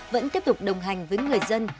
vẫn tiếp tục đồng hành với người dân